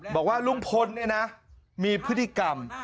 บอกว่าลุงพลเนี่ยนะมีพฤติกรรม